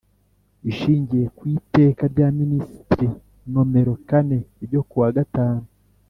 Ishingiye ku Iteka rya Ministri nomero kane ryo kuwa gatanu